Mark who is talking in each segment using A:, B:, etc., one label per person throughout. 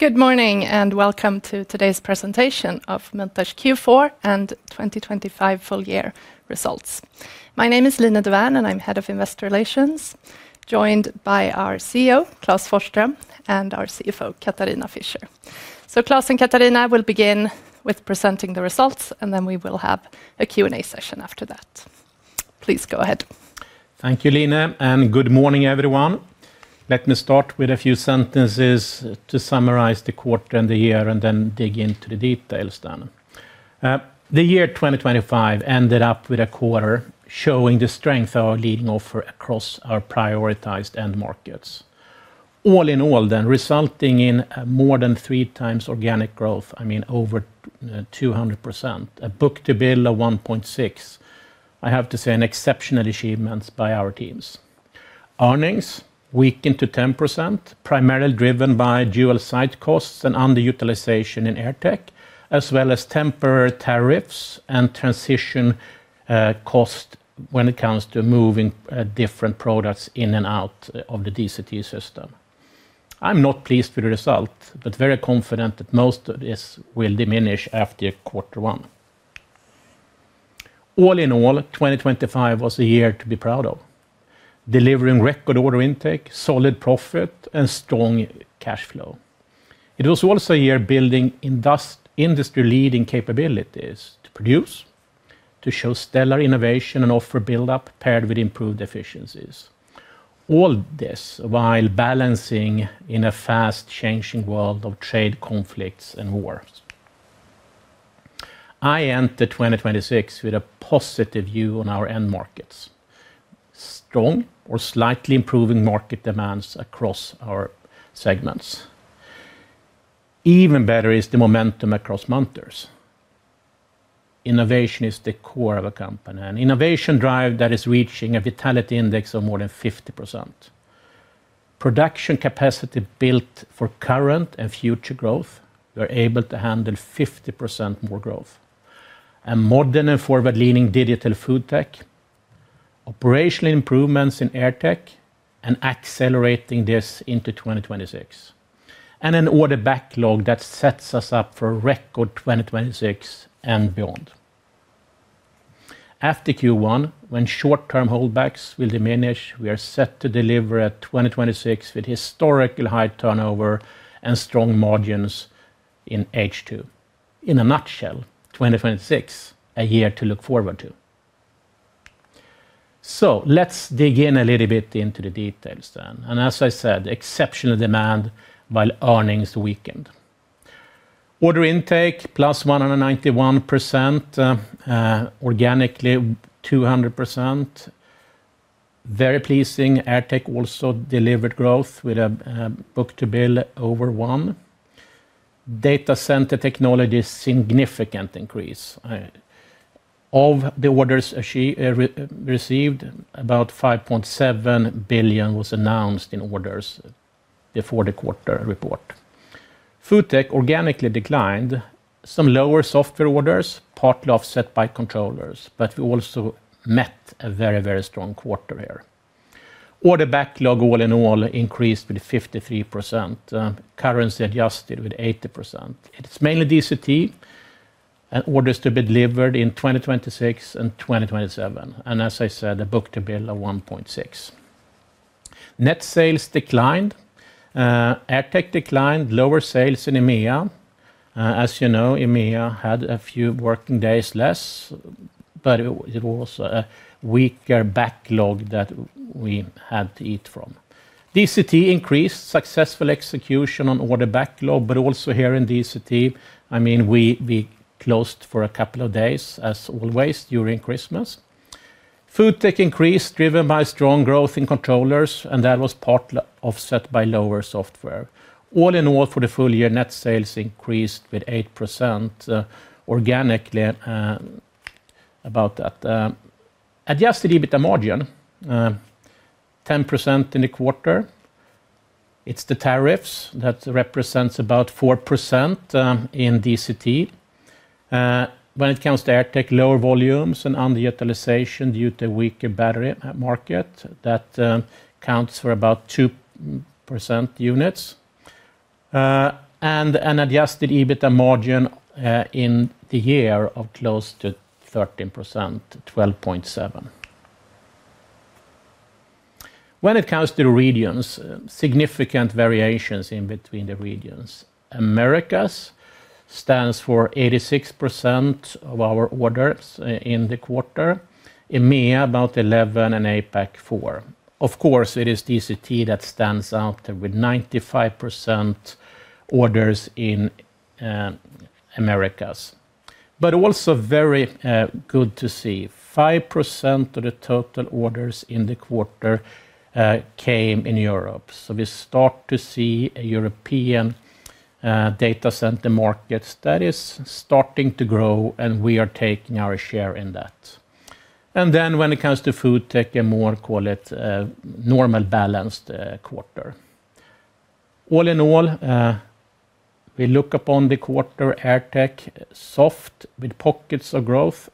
A: Good morning and welcome to today's presentation of Munters Q4 and 2025 full year results. My name is Line Dovärn and I'm Head of Investor Relations, joined by our CEO, Klas Forsström, and our CFO, Katharina Fischer. So, Klas and Katharina, we'll begin with presenting the results, and then we will have a Q&A session after that. Please go ahead.
B: Thank you, Line, and good morning, everyone. Let me start with a few sentences to summarize the quarter and the year, and then dig into the details then. The year 2025 ended up with a quarter showing the strength of our leading offer across our prioritized end markets. All in all, then, resulting in more than three times organic growth, I mean over 200%, a book-to-bill of 1.6. I have to say an exceptional achievement by our teams. Earnings weakened to 10%, primarily driven by dual site costs and underutilization in AirTech, as well as temporary tariffs and transition costs when it comes to moving different products in and out of the DCT system. I'm not pleased with the result, but very confident that most of this will diminish after quarter one. All in all, 2025 was a year to be proud of, delivering record order intake, solid profit, and strong cash flow. It was also a year building industry-leading capabilities to produce, to show stellar innovation and offer build-up paired with improved efficiencies. All this while balancing in a fast-changing world of trade conflicts and wars. I entered 2026 with a positive view on our end markets, strong or slightly improving market demands across our segments. Even better is the momentum across Munters. Innovation is the core of a company, an innovation drive that is reaching a vitality index of more than 50%. Production capacity built for current and future growth, we're able to handle 50% more growth. A modern and forward-leaning digital FoodTech, operational improvements in AirTech, and accelerating this into 2026. And an order backlog that sets us up for record 2026 and beyond. After Q1, when short-term holdbacks will diminish, we are set to deliver at 2026 with historical high turnover and strong margins in H2. In a nutshell, 2026, a year to look forward to. So let's dig in a little bit into the details then. And as I said, exceptional demand while earnings weakened. Order intake +191%, organically +200%. Very pleasing. AirTech also delivered growth with a book-to-bill over 1. Data Center Technologies, significant increase. Of the orders received, about 5.7 billion was announced in orders before the quarter report. FoodTech organically declined. Some lower software orders, partly offset by controllers, but we also met a very, very strong quarter here. Order backlog all in all increased with 53%, currency adjusted with 80%. It's mainly DCT and orders to be delivered in 2026 and 2027. And as I said, a book-to-bill of 1.6. Net sales declined. AirTech declined, lower sales in EMEA. As you know, EMEA had a few working days less, but it was a weaker backlog that we had to eat from. DCT increased, successful execution on order backlog, but also here in DCT, I mean, we closed for a couple of days, as always, during Christmas. FoodTech increased, driven by strong growth in controllers, and that was partly offset by lower software. All in all, for the full year, net sales increased with 8% organically, about that. Adjusted EBITDA margin, 10% in the quarter. It's the tariffs that represents about 4% in DCT. When it comes to AirTech, lower volumes and underutilization due to weaker battery market, that counts for about 2% units. And an adjusted EBITDA margin in the year of close to 13% to 12.7. When it comes to the regions, significant variations in between the regions. Americas stands for 86% of our orders in the quarter. EMEA, about 11% and APAC 4%. Of course, it is DCT that stands out with 95% orders in Americas. Also very good to see, 5% of the total orders in the quarter came in Europe. So we start to see a European data center market that is starting to grow, and we are taking our share in that. Then when it comes to FoodTech, a more normal balanced quarter. All in all, we look upon the quarter AirTech soft with pockets of growth,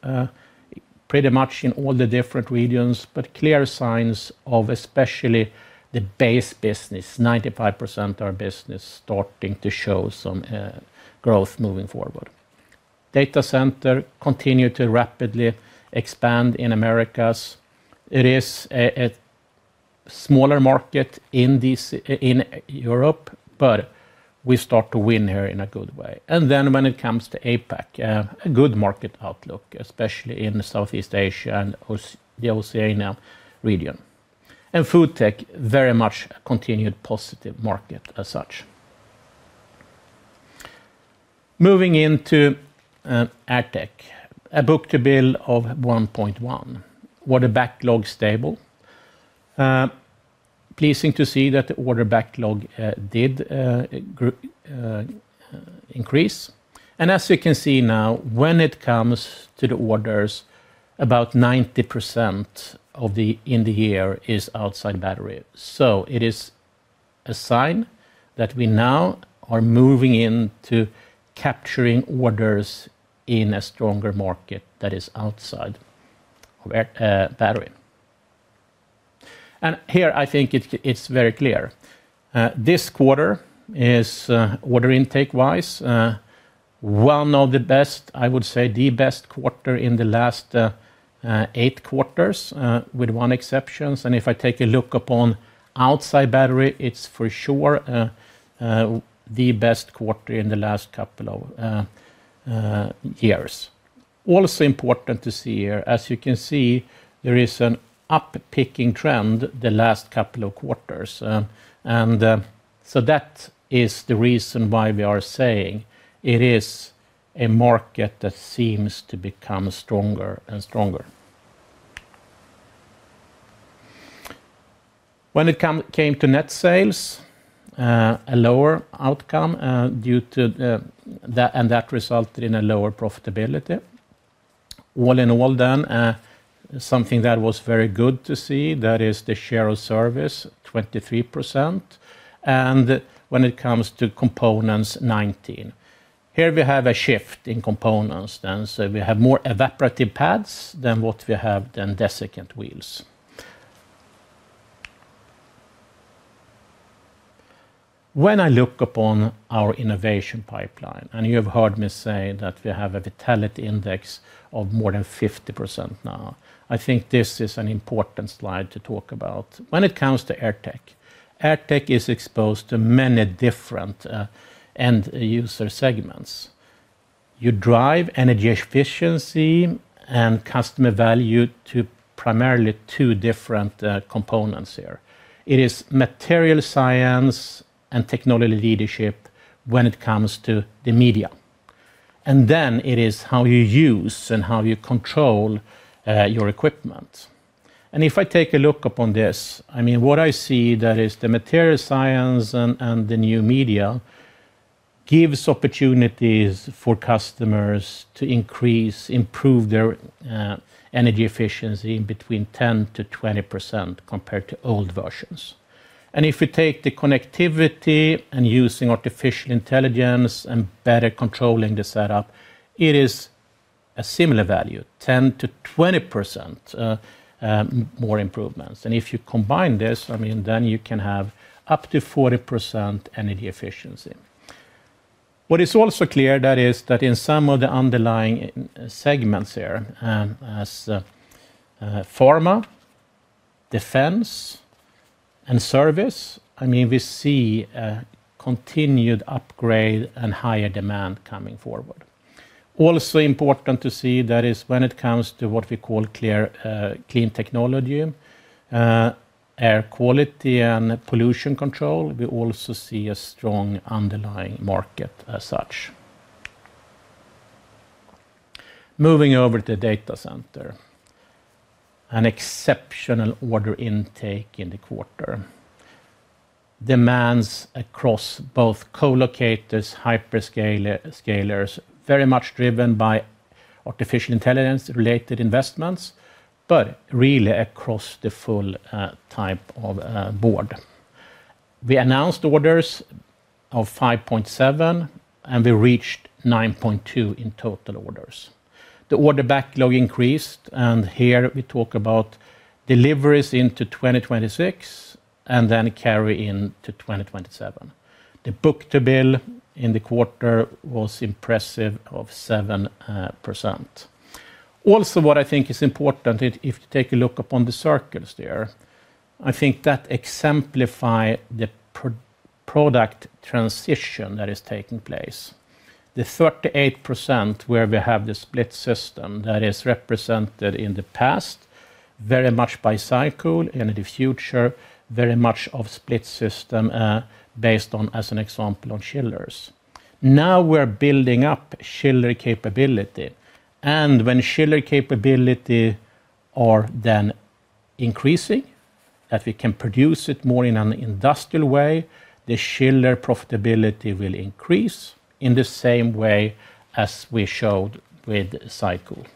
B: pretty much in all the different regions, but clear signs of especially the base business, 95% of our business starting to show some growth moving forward. Data center continued to rapidly expand in Americas. It is a smaller market in Europe, but we start to win here in a good way. Then when it comes to APAC, a good market outlook, especially in Southeast Asia and the Oceania region. FoodTech very much continued positive market as such. Moving into AirTech, a book-to-bill of 1.1. Order backlog stable. Pleasing to see that the order backlog did increase. As you can see now, when it comes to the orders, about 90% of the in the year is outside battery. So it is a sign that we now are moving into capturing orders in a stronger market that is outside of battery. Here, I think it's very clear. This quarter is order intake-wise, one of the best, I would say the best quarter in the last 8 quarters, with one exception. If I take a look upon outside battery, it's for sure the best quarter in the last couple of years. Also important to see here, as you can see, there is an upticking trend the last couple of quarters. So that is the reason why we are saying it is a market that seems to become stronger and stronger. When it came to net sales, a lower outcome due to that, and that resulted in a lower profitability. All in all then, something that was very good to see, that is the share of service, 23%. When it comes to components, 19%. Here we have a shift in components then. So we have more evaporative pads than what we have than desiccant wheels. When I look upon our innovation pipeline, and you have heard me say that we have a vitality index of more than 50% now, I think this is an important slide to talk about. When it comes to AirTech, AirTech is exposed to many different end user segments. You drive energy efficiency and customer value to primarily two different components here. It is material science and technology leadership when it comes to the media. And then it is how you use and how you control your equipment. And if I take a look upon this, I mean, what I see that is the material science and the new media gives opportunities for customers to increase, improve their energy efficiency between 10%-20% compared to old versions. And if you take the connectivity and using artificial intelligence and better controlling the setup, it is a similar value, 10%-20% more improvements. And if you combine this, I mean, then you can have up to 40% energy efficiency. What is also clear, that is, that in some of the underlying segments here, as pharma, defense, and service, I mean, we see a continued upgrade and higher demand coming forward. Also important to see. That is, when it comes to what we call clean technology, air quality and pollution control, we also see a strong underlying market as such. Moving over to data center, an exceptional order intake in the quarter. Demands across both colocators, hyperscalers, very much driven by artificial intelligence-related investments, but really across the full type of board. We announced orders of 5.7, and we reached 9.2 in total orders. The order backlog increased, and here we talk about deliveries into 2026 and then carry into 2027. The book-to-bill in the quarter was impressive of 7%. Also, what I think is important, if you take a look upon the circles there, I think that exemplifies the product transition that is taking place. The 38% where we have the split system that is represented in the past, very much by SyCool, and in the future, very much of split system based on, as an example, on chillers. Now we're building up chiller capability. And when chiller capability are then increasing, that we can produce it more in an industrial way, the chiller profitability will increase in the same way as we showed with SyCool.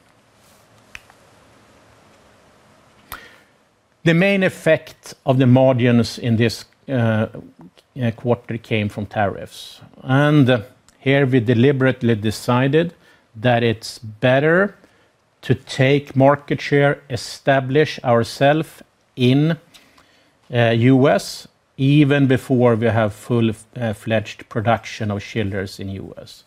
B: The main effect of the margins in this quarter came from tariffs. And here we deliberately decided that it's better to take market share, establish ourselves in U.S., even before we have full-fledged production of chillers in U.S.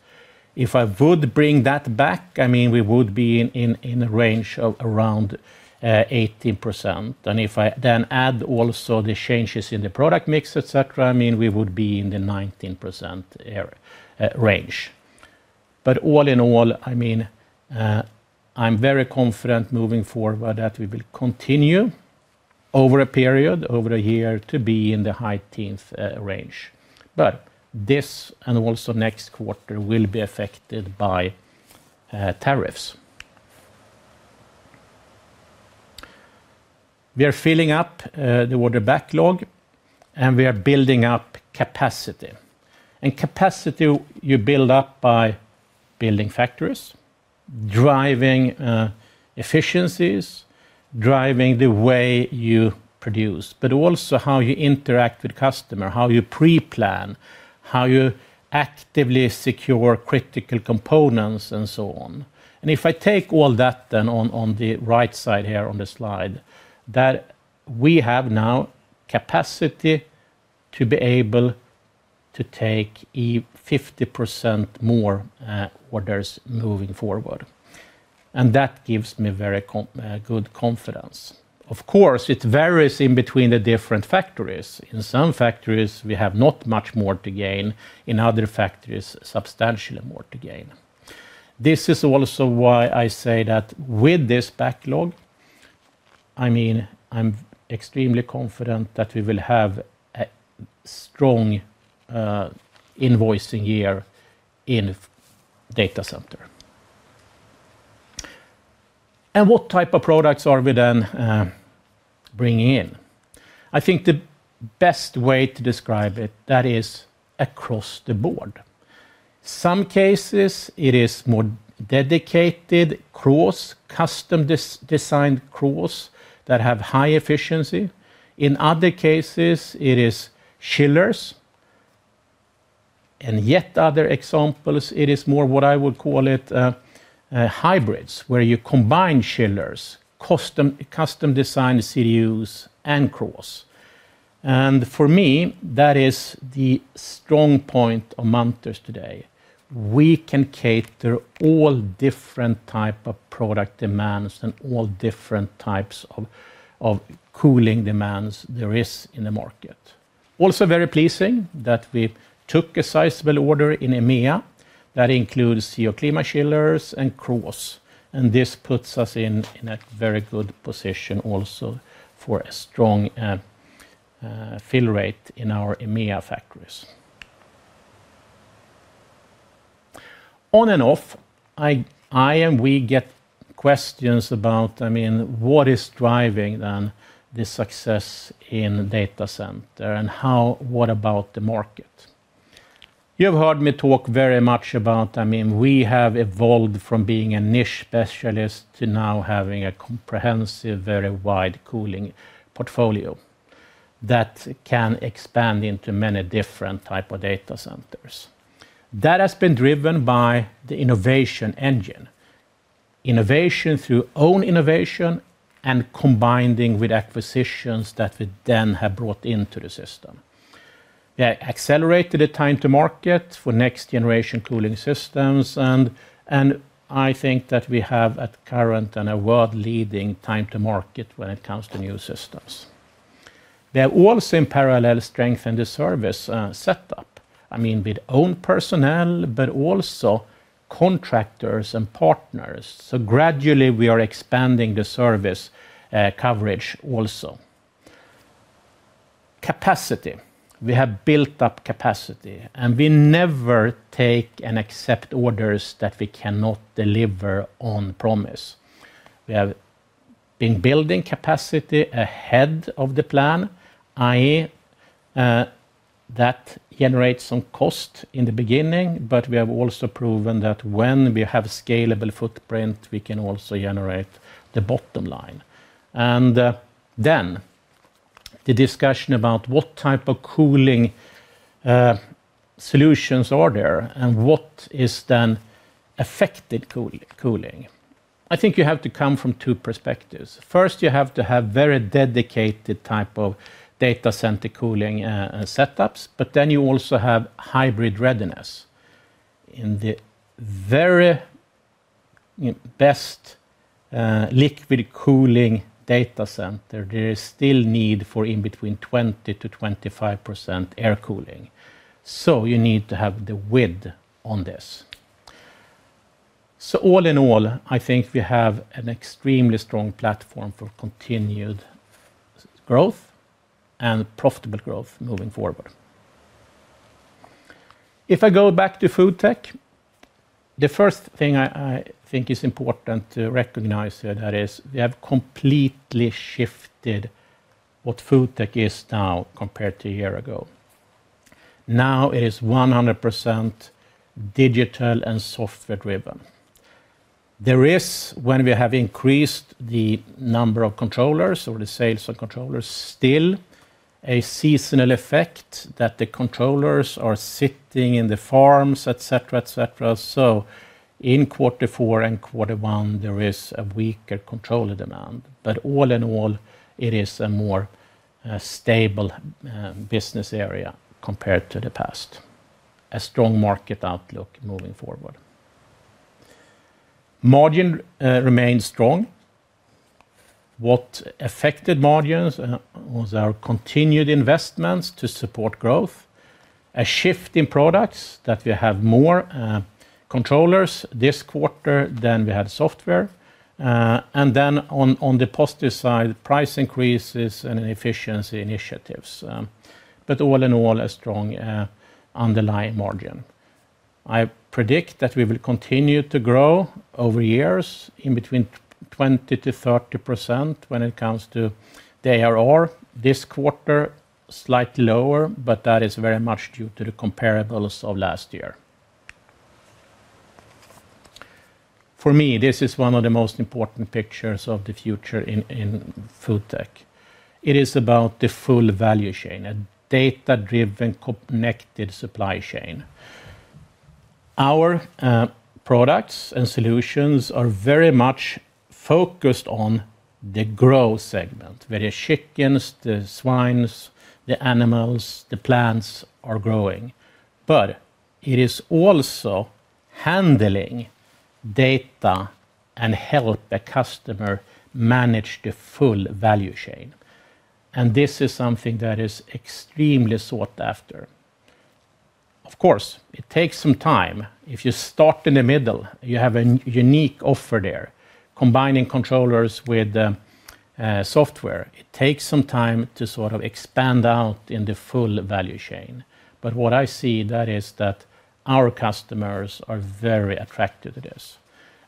B: If I would bring that back, I mean, we would be in a range of around 18%. And if I then add also the changes in the product mix, etc., I mean, we would be in the 19% range. But all in all, I mean, I'm very confident moving forward that we will continue over a period, over a year to be in the high teens range. But this and also next quarter will be affected by tariffs. We are filling up the order backlog, and we are building up capacity. And capacity you build up by building factories, driving efficiencies, driving the way you produce, but also how you interact with customers, how you pre-plan, how you actively secure critical components, and so on. And if I take all that, then on the right side here on the slide, that we have now capacity to be able to take 50% more orders moving forward. And that gives me very good confidence. Of course, it varies in between the different factories. In some factories, we have not much more to gain. In other factories, substantially more to gain. This is also why I say that with this backlog, I mean, I'm extremely confident that we will have a strong invoicing year in data center. And what type of products are we then bringing in? I think the best way to describe it, that is across the board. Some cases, it is more dedicated CRAH custom designed CRAH that have high efficiency. In other cases, it is chillers. And yet other examples, it is more what I would call it hybrids, where you combine chillers, custom design CDUs and CRAH. And for me, that is the strong point of Munters today. We can cater all different types of product demands and all different types of cooling demands there is in the market. Also very pleasing that we took a sizable order in EMEA that includes Geoclima chillers and CRAH. And this puts us in a very good position also for a strong fill rate in our EMEA factories. On and off, I and we get questions about, I mean, what is driving then the success in data center and what about the market? You've heard me talk very much about, I mean, we have evolved from being a niche specialist to now having a comprehensive, very wide cooling portfolio that can expand into many different types of data centers. That has been driven by the innovation engine. Innovation through own innovation and combining with acquisitions that we then have brought into the system. We have accelerated the time to market for next generation cooling systems, and I think that we have at current and a world leading time to market when it comes to new systems. We have also in parallel strengthened the service setup, I mean, with own personnel, but also contractors and partners. So gradually we are expanding the service coverage also. Capacity. We have built up capacity, and we never take and accept orders that we cannot deliver on promise. We have been building capacity ahead of the plan, i.e., that generates some cost in the beginning, but we have also proven that when we have a scalable footprint, we can also generate the bottom line. And then the discussion about what type of cooling solutions are there and what is then affected cooling. I think you have to come from two perspectives. First, you have to have very dedicated type of data center cooling setups, but then you also have hybrid readiness. In the very best liquid cooling data center, there is still need for in between 20%-25% air cooling. So you need to have the width on this. So all in all, I think we have an extremely strong platform for continued growth and profitable growth moving forward. If I go back to FoodTech, the first thing I think is important to recognize here that is we have completely shifted what FoodTech is now compared to a year ago. Now it is 100% digital and software driven. There is, when we have increased the number of controllers or the sales of controllers, still a seasonal effect that the controllers are sitting in the farms, etc., etc. So in quarter four and quarter one, there is a weaker controller demand. But all in all, it is a more stable business area compared to the past. A strong market outlook moving forward. Margin remains strong. What affected margins was our continued investments to support growth, a shift in products that we have more controllers this quarter than we had software. And then on the positive side, price increases and efficiency initiatives. But all in all, a strong underlying margin. I predict that we will continue to grow over years in between 20%-30% when it comes to the ARR. This quarter, slightly lower, but that is very much due to the comparables of last year. For me, this is one of the most important pictures of the future in FoodTech. It is about the full value chain, a data-driven connected supply chain. Our products and solutions are very much focused on the growth segment, where the chickens, the swine, the animals, the plants are growing. But it is also handling data and help a customer manage the full value chain. And this is something that is extremely sought after. Of course, it takes some time. If you start in the middle, you have a unique offer there. Combining controllers with software, it takes some time to sort of expand out in the full value chain. But what I see that is that our customers are very attracted to this.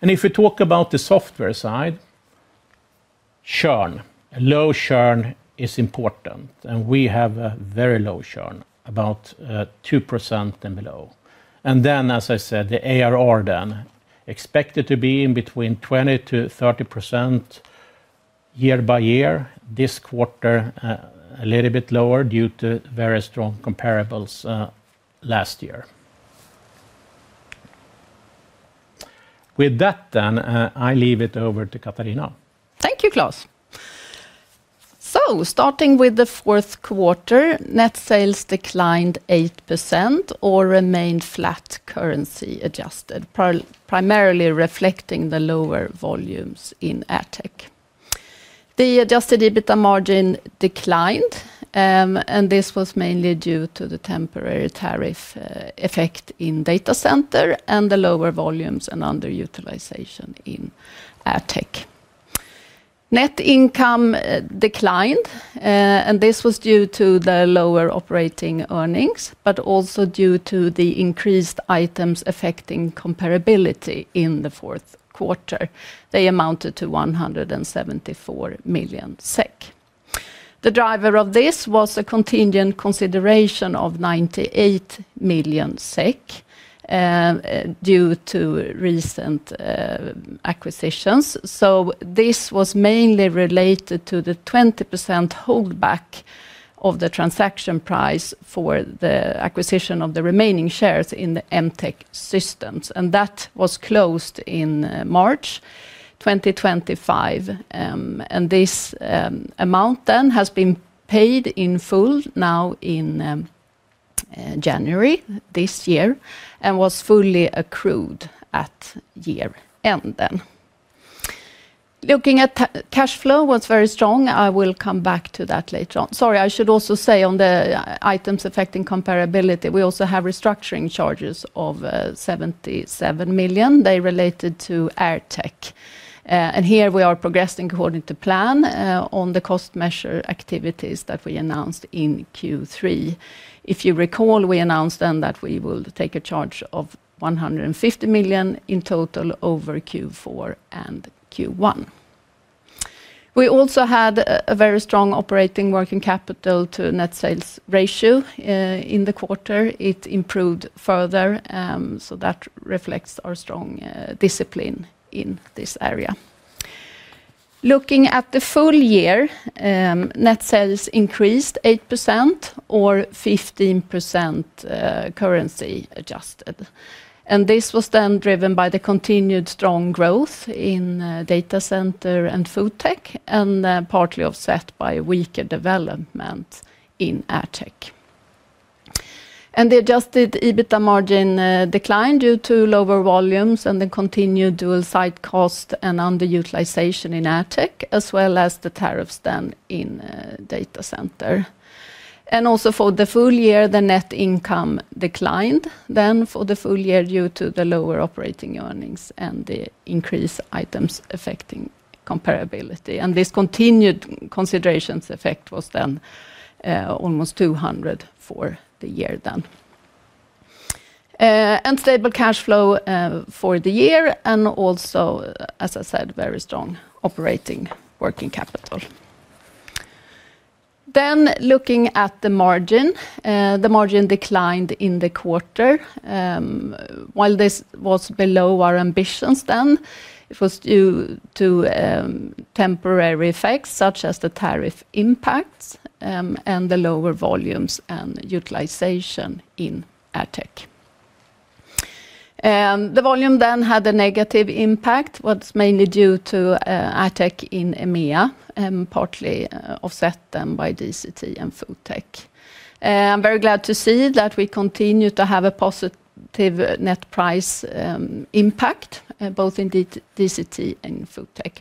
B: And if we talk about the software side, churn, low churn is important. And we have a very low churn, about 2% and below. And then, as I said, the ARR then expected to be in between 20%-30% year by year. This quarter, a little bit lower due to very strong comparables last year. With that then, I leave it over to Katharina.
C: Thank you, Klas. So, starting with the fourth quarter, net sales declined 8% or remained flat currency-adjusted, primarily reflecting the lower volumes in AirTech. The Adjusted EBITDA margin declined, and this was mainly due to the temporary tariff effect in data center and the lower volumes and underutilization in AirTech. Net income declined, and this was due to the lower operating earnings, but also due to the increased items affecting comparability in the fourth quarter. They amounted to 174 million SEK. The driver of this was a contingent consideration of 98 million SEK due to recent acquisitions. So this was mainly related to the 20% holdback of the transaction price for the acquisition of the remaining shares in the MTech Systems. And that was closed in March 2025. And this amount then has been paid in full now in January this year and was fully accrued at year-end then. Looking at cash flow was very strong. I will come back to that later on. Sorry, I should also say on the items affecting comparability, we also have restructuring charges of 77 million. They related to AirTech. Here we are progressing according to plan on the cost measure activities that we announced in Q3. If you recall, we announced then that we will take a charge of 150 million in total over Q4 and Q1. We also had a very strong operating working capital to net sales ratio in the quarter. It improved further. So that reflects our strong discipline in this area. Looking at the full year, net sales increased 8% or 15% currency adjusted. This was then driven by the continued strong growth in data center and FoodTech, and partly offset by weaker development in AirTech. The adjusted EBITDA margin declined due to lower volumes and the continued dual-side cost and underutilization in AirTech, as well as the tariffs then in data center. Also for the full year, the net income declined then for the full year due to the lower operating earnings and the increased items affecting comparability. This contingent consideration effect was then almost 200 million for the year then. Stable cash flow for the year, and also, as I said, very strong operating working capital. Then looking at the margin, the margin declined in the quarter. While this was below our ambitions then, it was due to temporary effects such as the tariff impacts and the lower volumes and utilization in AirTech. The volume then had a negative impact, was mainly due to AirTech in EMEA, partly offset then by DCT and FoodTech. I'm very glad to see that we continue to have a positive net price impact, both in DCT and FoodTech.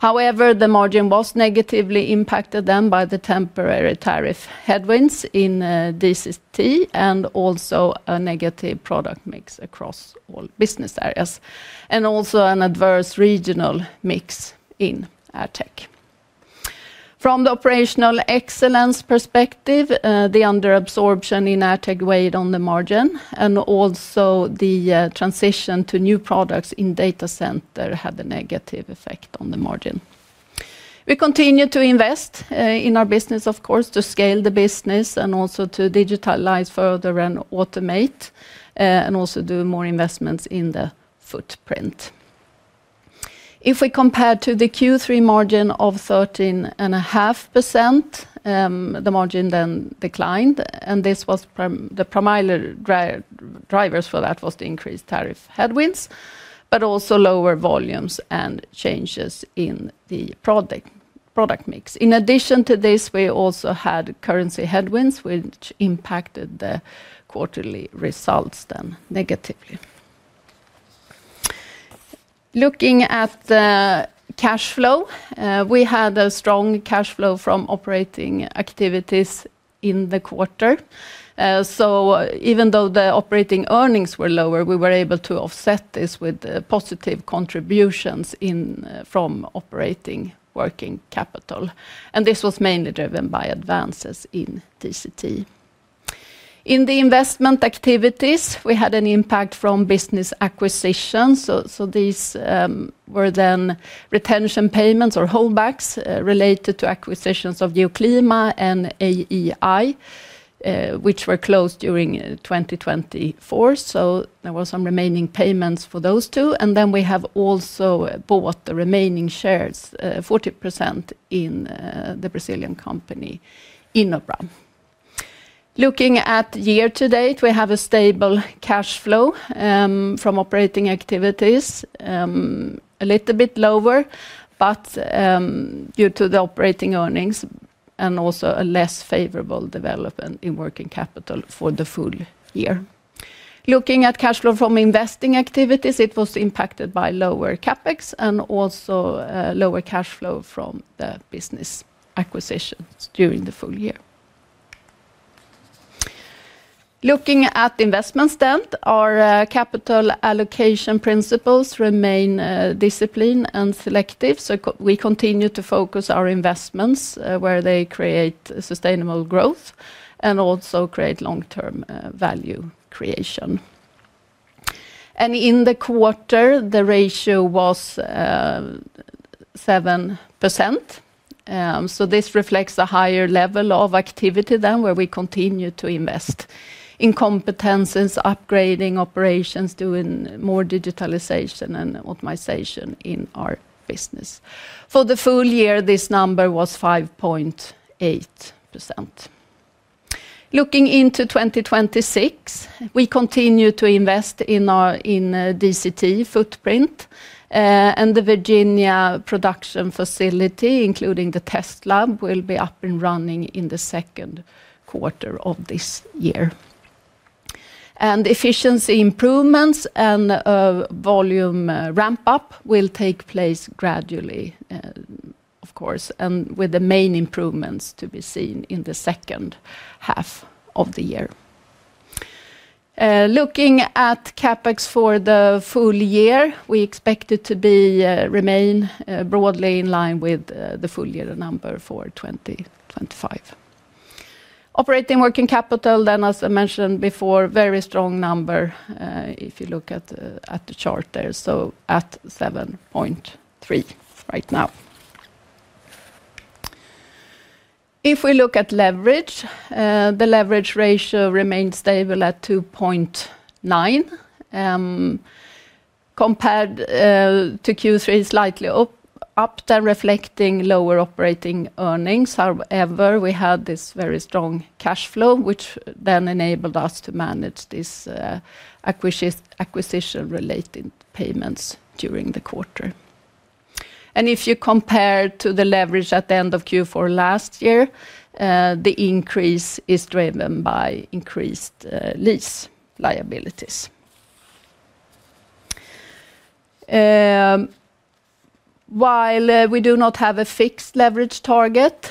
C: However, the margin was negatively impacted then by the temporary tariff headwinds in DCT and also a negative product mix across all business areas, and also an adverse regional mix in AirTech. From the operational excellence perspective, the underabsorption in AirTech weighed on the margin, and also the transition to new products in data center had a negative effect on the margin. We continue to invest in our business, of course, to scale the business and also to digitalize further and automate, and also do more investments in the footprint. If we compare to the Q3 margin of 13.5%, the margin then declined, and this was the primary drivers for that was the increased tariff headwinds, but also lower volumes and changes in the product mix. In addition to this, we also had currency headwinds, which impacted the quarterly results then negatively. Looking at cash flow, we had a strong cash flow from operating activities in the quarter. So even though the operating earnings were lower, we were able to offset this with positive contributions from operating working capital. And this was mainly driven by advances in DCT. In the investment activities, we had an impact from business acquisitions. So these were then retention payments or holdbacks related to acquisitions of Geoclima and AEI, which were closed during 2024. So there were some remaining payments for those two. And then we have also bought the remaining shares, 40% in the Brazilian company InoBram. Looking at year-to-date, we have a stable cash flow from operating activities, a little bit lower, but due to the operating earnings and also a less favorable development in working capital for the full year. Looking at cash flow from investing activities, it was impacted by lower CapEx and also lower cash flow from the business acquisitions during the full year. Looking at investments then, our capital allocation principles remain disciplined and selective. So we continue to focus our investments where they create sustainable growth and also create long-term value creation. And in the quarter, the ratio was 7%. So this reflects a higher level of activity then where we continue to invest in competences, upgrading operations, doing more digitalization and optimization in our business. For the full year, this number was 5.8%. Looking into 2026, we continue to invest in DCT footprint, and the Virginia production facility, including the test lab, will be up and running in the second quarter of this year. Efficiency improvements and volume ramp-up will take place gradually, of course, and with the main improvements to be seen in the second half of the year. Looking at CapEx for the full year, we expect it to remain broadly in line with the full year number for 2025. Operating working capital then, as I mentioned before, very strong number if you look at the chart there, so at 7.3 right now. If we look at leverage, the leverage ratio remained stable at 2.9. Compared to Q3, slightly up there reflecting lower operating earnings. However, we had this very strong cash flow, which then enabled us to manage these acquisition-related payments during the quarter. If you compare to the leverage at the end of Q4 last year, the increase is driven by increased lease liabilities. While we do not have a fixed leverage target,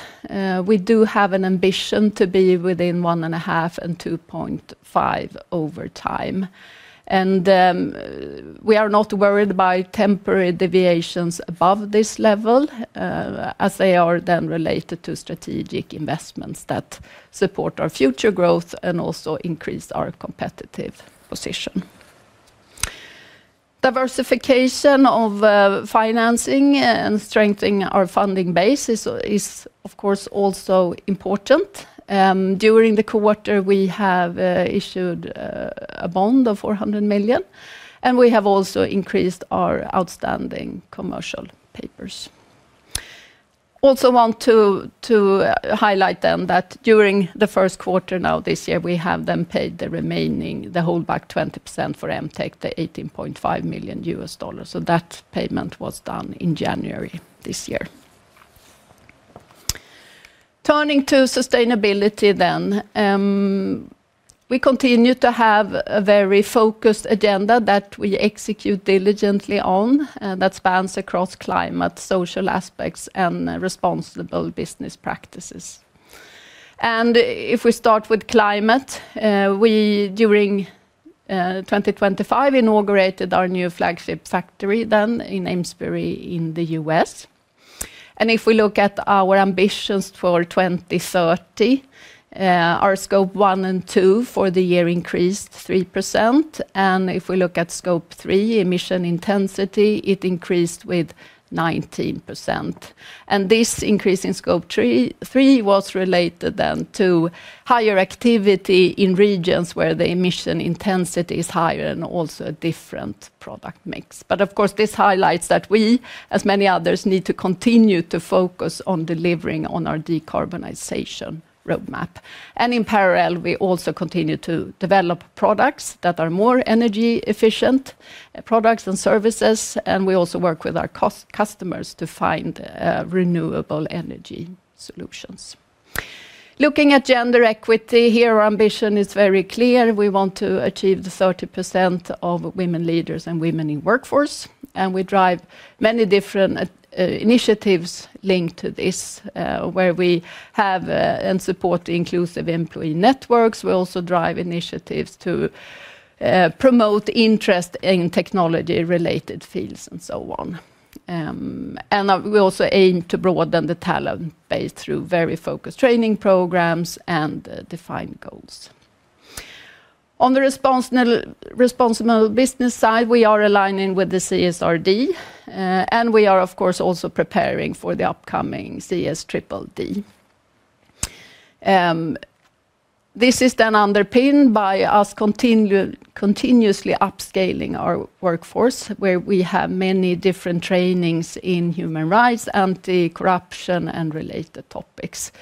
C: we do have an ambition to be within 1.5-2.5 over time. We are not worried by temporary deviations above this level, as they are then related to strategic investments that support our future growth and also increase our competitive position. Diversification of financing and strengthening our funding base is, of course, also important. During the quarter, we have issued a bond of 400 million, and we have also increased our outstanding commercial papers. Also want to highlight then that during the first quarter now this year, we have then paid the remaining holdback 20% for MTech, the $18.5 million. So that payment was done in January this year. Turning to sustainability then, we continue to have a very focused agenda that we execute diligently on that spans across climate, social aspects, and responsible business practices. If we start with climate, we during 2025 inaugurated our new flagship factory then in Amesbury in the U.S. If we look at our ambitions for 2030, our Scope 1 and 2 for the year increased 3%. If we look at Scope 3 emission intensity, it increased with 19%. This increase in Scope 3 was related then to higher activity in regions where the emission intensity is higher and also a different product mix. But of course, this highlights that we, as many others, need to continue to focus on delivering on our decarbonization roadmap. In parallel, we also continue to develop products that are more energy efficient, products and services. We also work with our customers to find renewable energy solutions. Looking at gender equity, here our ambition is very clear. We want to achieve the 30% of women leaders and women in workforce. We drive many different initiatives linked to this, where we have and support inclusive employee networks. We also drive initiatives to promote interest in technology-related fields and so on. We also aim to broaden the talent base through very focused training programs and defined goals. On the responsible business side, we are aligning with the CSRD, and we are, of course, also preparing for the upcoming CSDDD. This is then underpinned by us continuously upscaling our workforce, where we have many different trainings in human rights, anti-corruption, and related topics.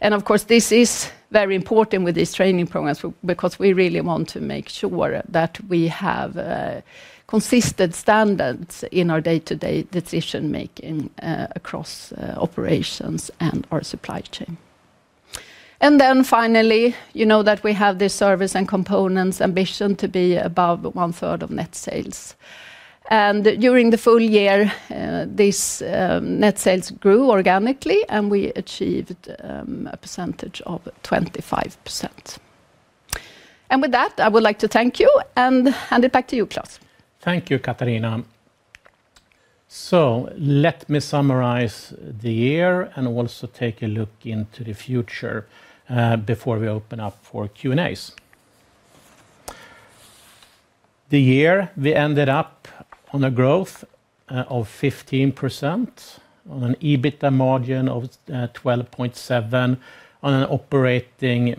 C: Of course, this is very important with these training programs because we really want to make sure that we have consistent standards in our day-to-day decision-making across operations and our supply chain. And then finally, you know that we have this service and components ambition to be above one-third of net sales. And during the full year, this net sales grew organically, and we achieved a percentage of 25%. And with that, I would like to thank you, and hand it back to you, Klas.
B: Thank you, Katharina. So let me summarize the year and also take a look into the future before we open up for Q&As. The year, we ended up on a growth of 15%, on an EBITDA margin of 12.7%, on an operating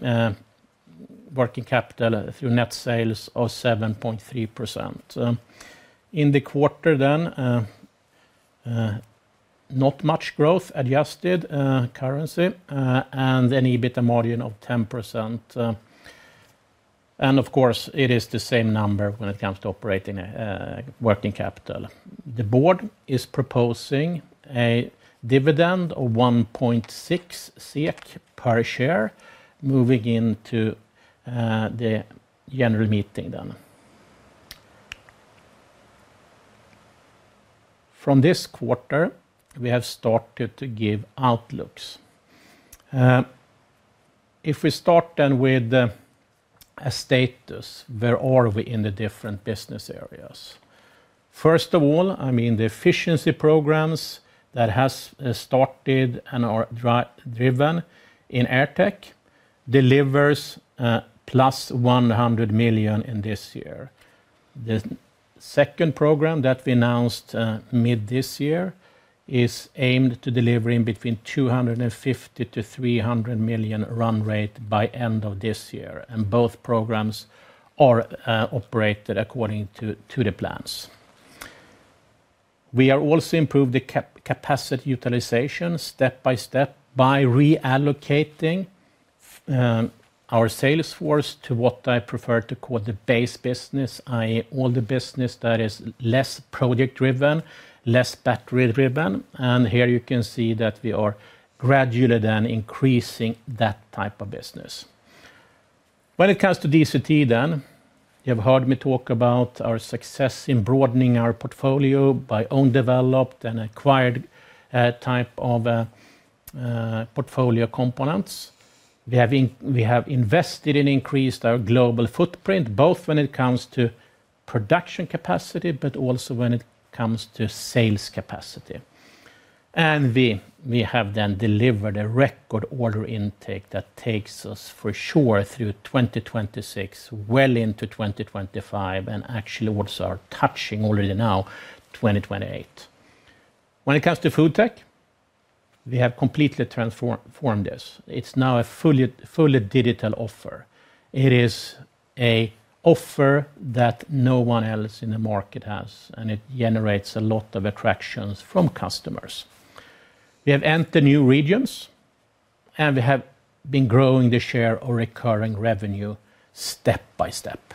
B: working capital through net sales of 7.3%. In the quarter then, not much growth adjusted currency and an EBITDA margin of 10%. And of course, it is the same number when it comes to operating working capital. The board is proposing a dividend of 1.6 SEK per share moving into the general meeting then. From this quarter, we have started to give outlooks. If we start then with a status, where are we in the different business areas? First of all, I mean the efficiency programs that have started and are driven in AirTech delivers plus 100 million in this year. The second program that we announced mid this year is aimed to deliver in between 250 million-300 million run rate by end of this year. And both programs are operated according to the plans. We are also improving the capacity utilization step by step by reallocating our sales force to what I prefer to call the base business, i.e., all the business that is less project-driven, less battery-driven. And here you can see that we are gradually then increasing that type of business. When it comes to DCT then, you have heard me talk about our success in broadening our portfolio by own-developed and acquired type of portfolio components. We have invested and increased our global footprint, both when it comes to production capacity, but also when it comes to sales capacity. We have then delivered a record order intake that takes us for sure through 2026, well into 2025, and actually also are touching already now 2028. When it comes to FoodTech, we have completely transformed this. It's now a fully digital offer. It is an offer that no one else in the market has, and it generates a lot of attractions from customers. We have entered new regions, and we have been growing the share or recurring revenue step by step.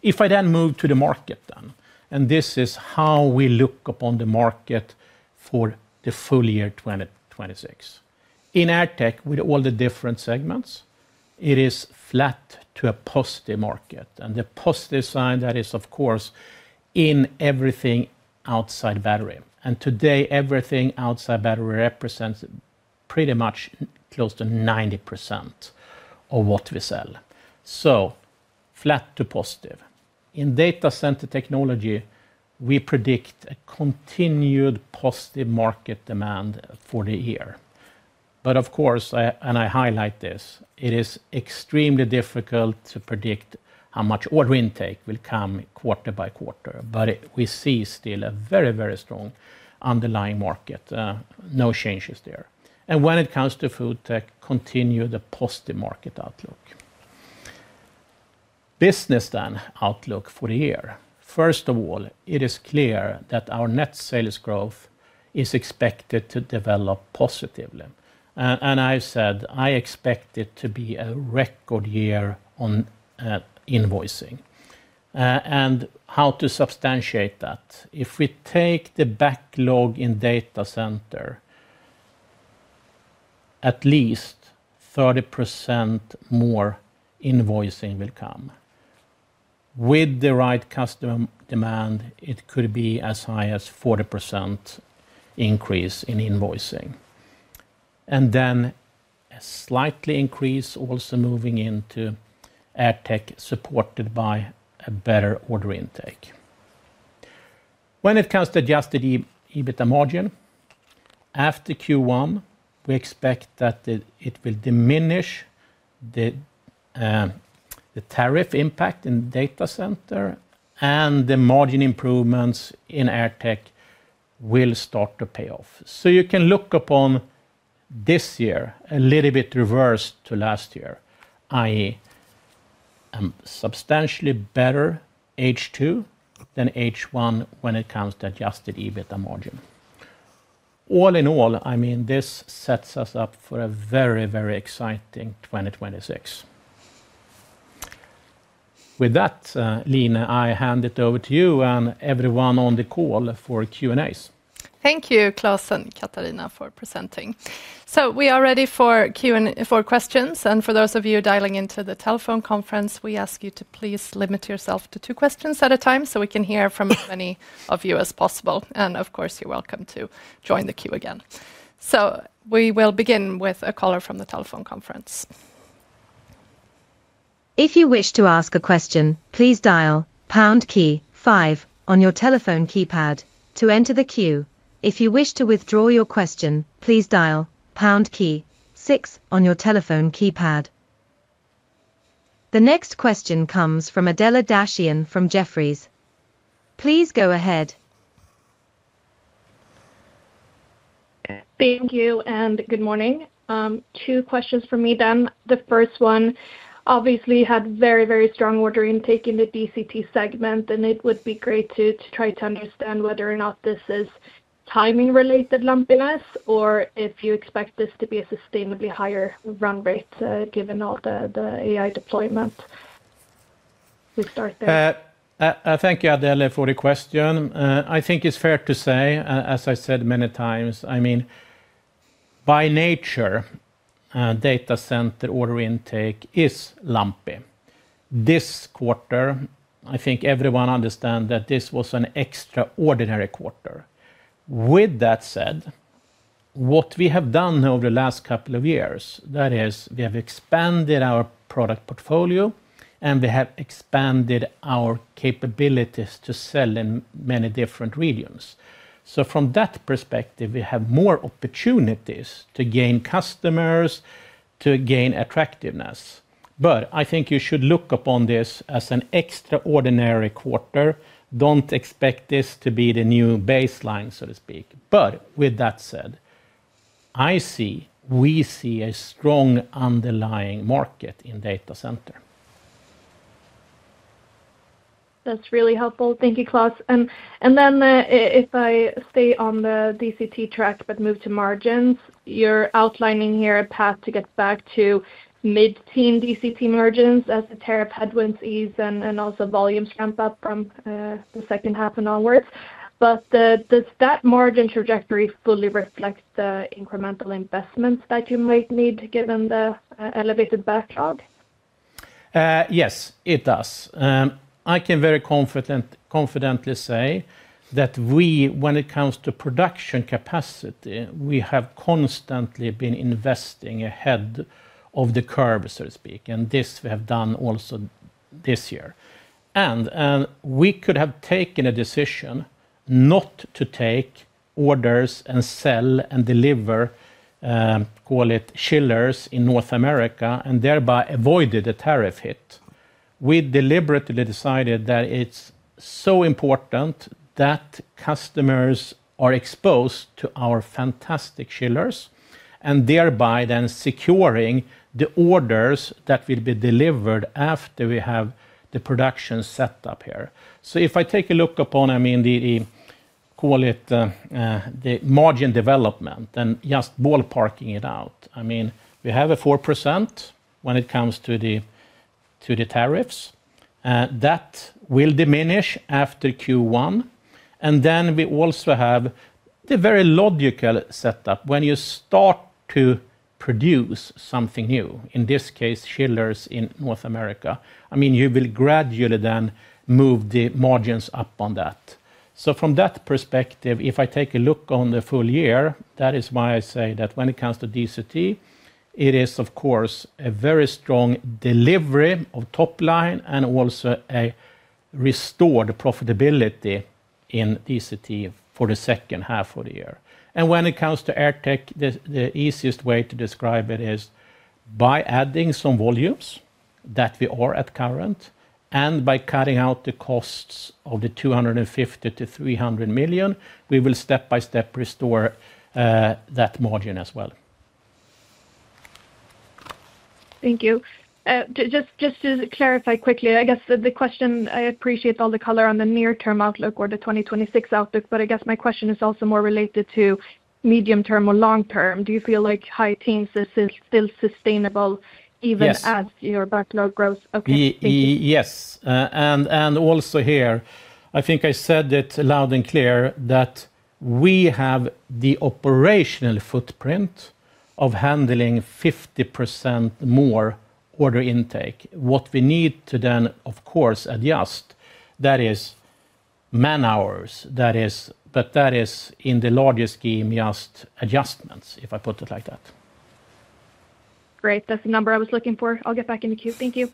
B: If I then move to the market then, and this is how we look upon the market for the full year 2026. In AirTech, with all the different segments, it is flat to a positive market. And the positive sign, that is of course in everything outside battery. And today, everything outside battery represents pretty much close to 90% of what we sell. So flat to positive. In Data Center Technology, we predict a continued positive market demand for the year. But of course, and I highlight this, it is extremely difficult to predict how much order intake will come quarter by quarter, but we see still a very, very strong underlying market. No changes there. And when it comes to FoodTech, continue the positive market outlook. Business then outlook for the year. First of all, it is clear that our net sales growth is expected to develop positively. And I said I expect it to be a record year on invoicing. And how to substantiate that? If we take the backlog in data center, at least 30% more invoicing will come. With the right customer demand, it could be as high as 40% increase in invoicing. And then a slightly increase also moving into AirTech supported by a better order intake. When it comes to adjusted EBITDA margin, after Q1, we expect that it will diminish the tariff impact in data center, and the margin improvements in AirTech will start to pay off. So you can look upon this year a little bit reversed to last year, i.e., a substantially better H2 than H1 when it comes to adjusted EBITDA margin. All in all, I mean, this sets us up for a very, very exciting 2026. With that, Line, I hand it over to you and everyone on the call for Q&As.
A: Thank you, Klas and Katharina, for presenting. So we are ready for questions. And for those of you dialing into the telephone conference, we ask you to please limit yourself to two questions at a time so we can hear from as many of you as possible. And of course, you're welcome to join the queue again. So we will begin with a caller from the telephone conference.
D: If you wish to ask a question, please dial pound key five on your telephone keypad to enter the queue. If you wish to withdraw your question, please dial pound key six on your telephone keypad. The next question comes from Adela Dashian from Jefferies. Please go ahead.
E: Thank you and good morning. Two questions for me then. The first one, obviously, had very, very strong order intake in the DCT segment, and it would be great to try to understand whether or not this is timing-related lumpiness or if you expect this to be a sustainably higher run rate given all the AI deployment. We start there.
B: Thank you, Adela, for the question. I think it's fair to say, as I said many times, I mean, by nature, data center order intake is lumpy. This quarter, I think everyone understands that this was an extraordinary quarter. With that said, what we have done over the last couple of years, that is, we have expanded our product portfolio, and we have expanded our capabilities to sell in many different regions. So from that perspective, we have more opportunities to gain customers, to gain attractiveness. But I think you should look upon this as an extraordinary quarter. Don't expect this to be the new baseline, so to speak. But with that said, I see, we see a strong underlying market in data center.
E: That's really helpful. Thank you, Klas. And then if I stay on the DCT track but move to margins, you're outlining here a path to get back to mid-teen DCT margins as the tariff headwinds ease and also volumes ramp up from the second half and onwards. But does that margin trajectory fully reflect the incremental investments that you might need given the elevated backlog?
B: Yes, it does. I can very confidently say that we, when it comes to production capacity, we have constantly been investing ahead of the curve, so to speak. And this we have done also this year. We could have taken a decision not to take orders and sell and deliver, call it chillers in North America, and thereby avoided a tariff hit. We deliberately decided that it's so important that customers are exposed to our fantastic chillers, and thereby then securing the orders that will be delivered after we have the production set up here. So if I take a look upon, I mean, the margin development and just ballparking it out, I mean, we have a 4% when it comes to the tariffs. That will diminish after Q1. And then we also have the very logical setup. When you start to produce something new, in this case, chillers in North America, I mean, you will gradually then move the margins up on that. So from that perspective, if I take a look on the full year, that is why I say that when it comes to DCT, it is, of course, a very strong delivery of top line and also a restored profitability in DCT for the second half of the year. And when it comes to AirTech, the easiest way to describe it is by adding some volumes that we are at current, and by cutting out the costs of 250 million-300 million, we will step by step restore that margin as well.
E: Thank you. Just to clarify quickly, I guess the question, I appreciate all the color on the near-term outlook or the 2026 outlook, but I guess my question is also more related to medium-term or long-term. Do you feel like high teens is still sustainable even as your backlog grows?
B: Yes. And also here, I think I said it loud and clear that we have the operational footprint of handling 50% more order intake. What we need to then, of course, adjust, that is man hours, but that is in the larger scheme just adjustments, if I put it like that.
E: Great. That's the number I was looking for. I'll get back in the queue. Thank you.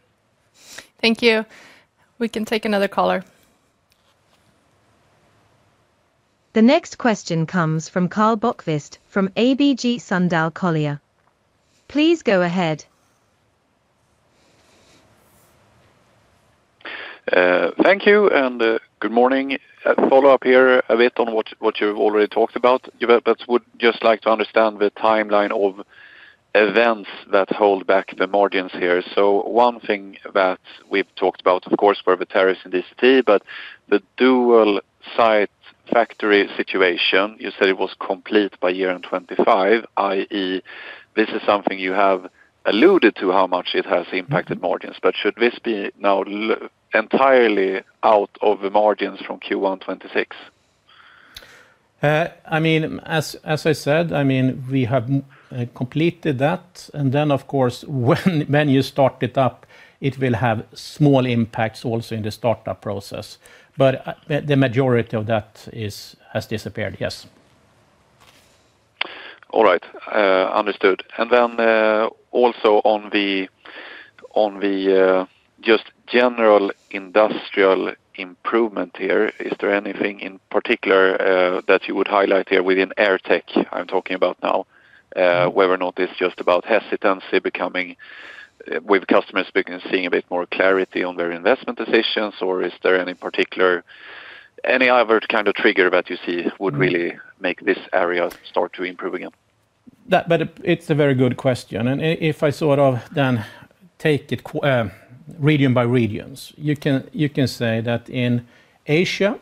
A: Thank you. We can take another caller.
D: The next question comes from Karl Bokvist from ABG Sundal Collier. Please go ahead.
F: Thank you and good morning. Follow up here, a bit on what you've already talked about. I would just like to understand the timeline of events that hold back the margins here. So one thing that we've talked about, of course, were the tariffs in DCT, but the dual-site factory situation, you said it was complete by 2025, i.e., this is something you have alluded to how much it has impacted margins, but should this be now entirely out of the margins from Q1 2026?
B: I mean, as I said, I mean, we have completed that. And then, of course, when you start it up, it will have small impacts also in the startup process. But the majority of that has disappeared, yes.
F: All right. Understood. And then also on the just general industrial improvement here, is there anything in particular that you would highlight here within AirTech I'm talking about now, whether or not it's just about hesitancy becoming with customers seeing a bit more clarity on their investment decisions, or is there any particular, any other kind of trigger that you see would really make this area start to improve again?
B: But it's a very good question. And if I sort of then take it region by region, you can say that in Asia,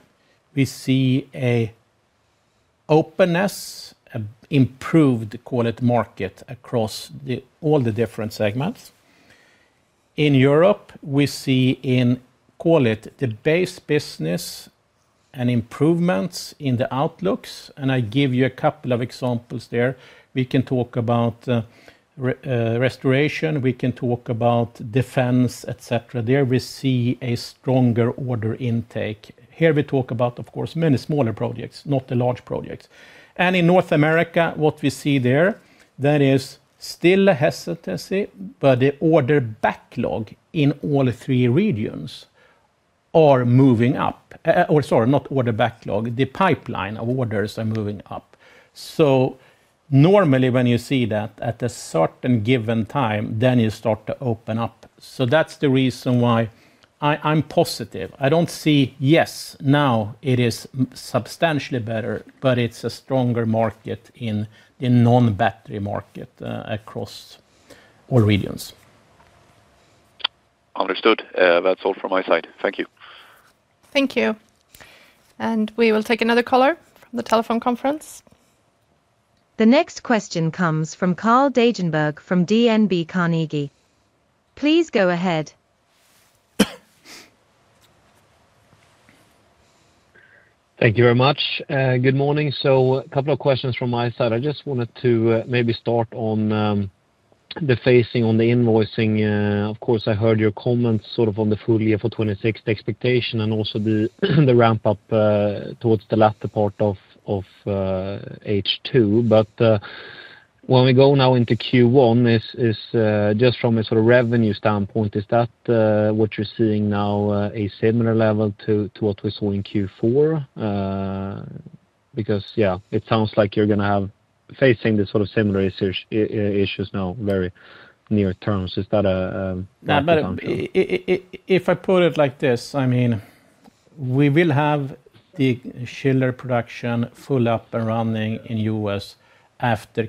B: we see an openness, an improved market across all the different segments. In Europe, we see in, call it, the base business and improvements in the outlooks. And I give you a couple of examples there. We can talk about restoration. We can talk about defense, etc. There, we see a stronger order intake. Here, we talk about, of course, many smaller projects, not the large projects. In North America, what we see there, that is still hesitancy, but the order backlog in all three regions are moving up. Or sorry, not order backlog, the pipeline of orders are moving up. So normally, when you see that at a certain given time, then you start to open up. So that's the reason why I'm positive. I don't see, yes, now it is substantially better, but it's a stronger market in the non-battery market across all regions.
F: Understood. That's all from my side. Thank you.
A: Thank you. And we will take another caller from the telephone conference.
D: The next question comes from Carl Deijenberg from DNB Carnegie. Please go ahead.
G: Thank you very much. Good morning. So a couple of questions from my side. I just wanted to maybe start on the phasing on the invoicing. Of course, I heard your comments sort of on the full year for 2026, the expectation, and also the ramp-up towards the latter part of H2. But when we go now into Q1, just from a sort of revenue standpoint, is that what you're seeing now a similar level to what we saw in Q4? Because, yeah, it sounds like you're going to have facing the sort of similar issues now very near terms. Is that a?
B: If I put it like this, I mean, we will have the chiller production full up and running in the US after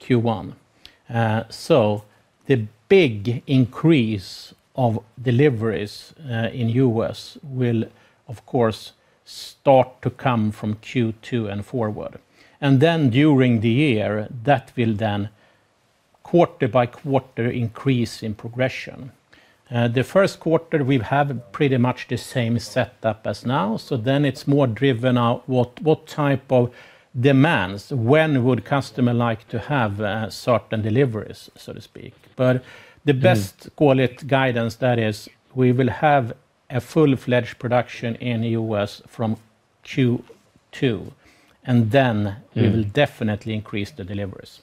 B: Q1. So the big increase of deliveries in the US will, of course, start to come from Q2 and forward. And then during the year, that will then quarter by quarter increase in progression. The first quarter, we have pretty much the same setup as now. So then it's more driven out what type of demands, when would customers like to have certain deliveries, so to speak. But the best, call it, guidance, that is, we will have a full-fledged production in the U.S. from Q2, and then we will definitely increase the deliveries.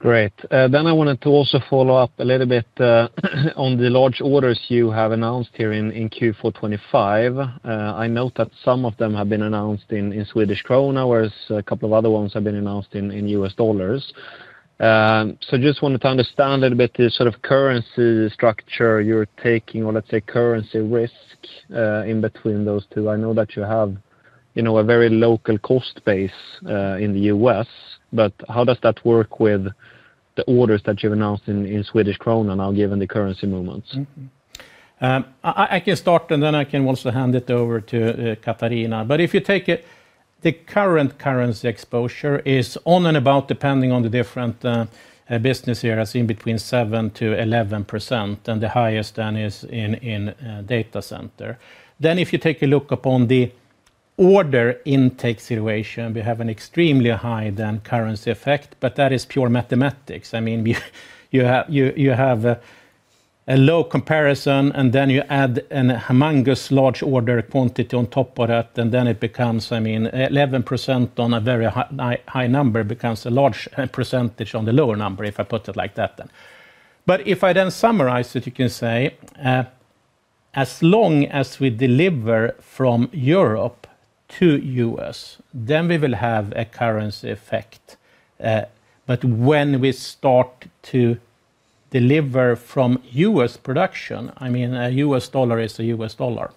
G: Great. Then I wanted to also follow up a little bit on the large orders you have announced here in Q4 2025. I note that some of them have been announced in Swedish krona, whereas a couple of other ones have been announced in U.S. dollars. So just wanted to understand a little bit the sort of currency structure you're taking, or let's say currency risk in between those two. I know that you have a very local cost base in the U.S., but how does that work with the orders that you've announced in Swedish krona now, given the currency movements?
B: I can start, and then I can also hand it over to Katharina. But if you take it, the current currency exposure is on and about, depending on the different business areas, in between 7%-11%, and the highest then is in data center. Then if you take a look upon the order intake situation, we have an extremely high then currency effect, but that is pure mathematics. I mean, you have a low comparison, and then you add an humongous large order quantity on top of that, and then it becomes, I mean, 11% on a very high number becomes a large percentage on the lower number, if I put it like that then. But if I then summarize it, you can say, as long as we deliver from Europe to U.S., then we will have a currency effect. But when we start to deliver from U.S. production, I mean, a U.S. dollar is a U.S. dollar.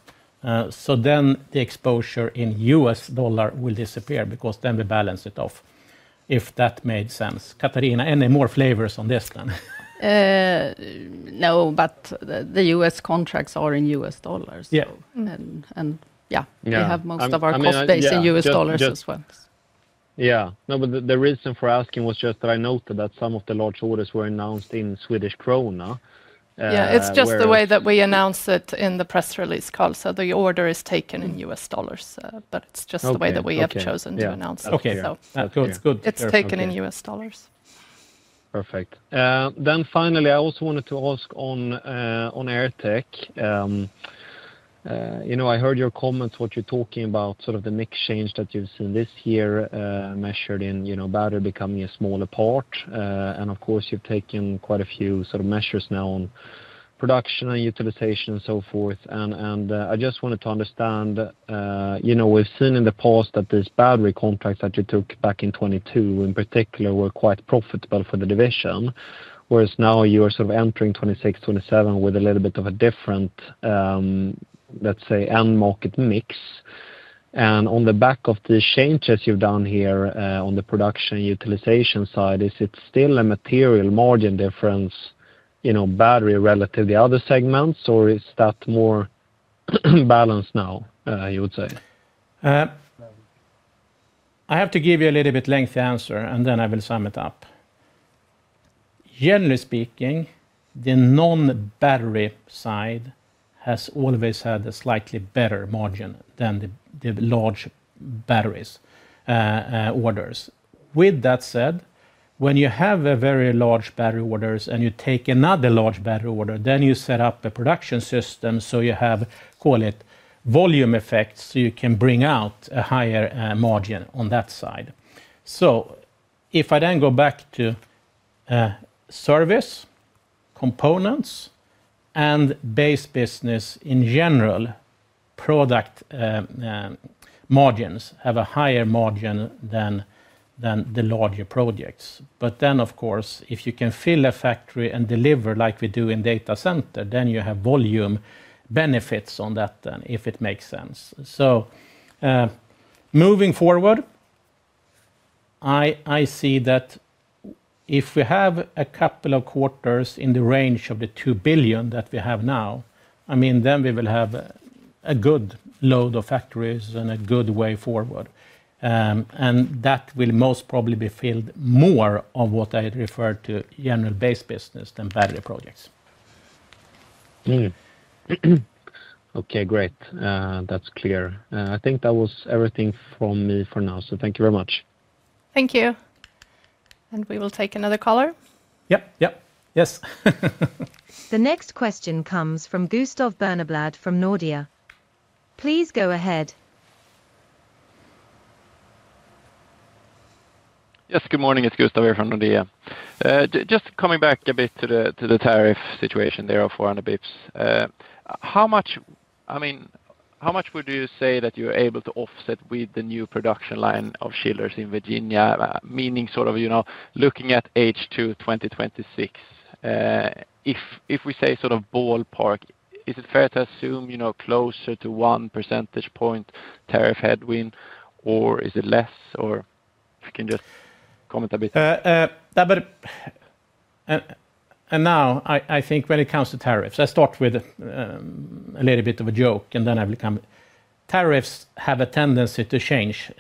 B: So then the exposure in U.S. dollar will disappear because then we balance it off, if that made sense. Katharina, any more flavors on this then?
C: No, but the U.S. contracts are in U.S. dollars. And yeah, we have most of our cost base in U.S. dollars as well.
G: Yeah. No, but the reason for asking was just that I noted that some of the large orders were announced in Swedish krona.
C: Yeah, it's just the way that we announce it in the press release call. So the order is taken in U.S. dollars, but it's just the way that we have chosen to announce it.
G: Okay.
C: It's good. It's taken in US dollars.
G: Perfect. Then finally, I also wanted to ask on AirTech. I heard your comments, what you're talking about, sort of the mix change that you've seen this year measured in battery becoming a smaller part. And of course, you've taken quite a few sort of measures now on production and utilization and so forth. And I just wanted to understand, we've seen in the past that these battery contracts that you took back in 2022, in particular, were quite profitable for the division, whereas now you are sort of entering 2026, 2027 with a little bit of a different, let's say, end market mix. And on the back of the changes you've done here on the production utilization side, is it still a material margin difference battery relative to the other segments, or is that more balanced now, you would say?
B: I have to give you a little bit lengthy answer, and then I will sum it up. Generally speaking, the non-battery side has always had a slightly better margin than the large batteries orders. With that said, when you have a very large battery orders and you take another large battery order, then you set up a production system so you have, call it, volume effects so you can bring out a higher margin on that side. So if I then go back to service, components, and base business in general, product margins have a higher margin than the larger projects. But then, of course, if you can fill a factory and deliver like we do in data center, then you have volume benefits on that then, if it makes sense. So moving forward, I see that if we have a couple of quarters in the range of the 2 billion that we have now, I mean, then we will have a good load of factories and a good way forward. And that will most probably be filled more of what I referred to general base business than battery projects.
G: Okay, great. That's clear. I think that was everything from me for now. So thank you very much.
A: Thank you. And we will take another caller.
B: Yep. Yep. Yes.
D: The next question comes from Gustav Berneblad from Nordea. Please go ahead.
H: Yes, good morning. It's Gustav here from Nordea. Just coming back a bit to the tariff situation there of 400 bps. How much, I mean, how much would you say that you're able to offset with the new production line of chillers in Virginia, meaning sort of looking at H2 2026? If we say sort of ballpark, is it fair to assume closer to one percentage point tariff headwind, or is it less, or if you can just comment a bit?
B: Now, I think when it comes to tariffs, I start with a little bit of a joke, and then I will come. Tariffs have a tendency to change